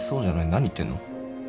何言ってんの。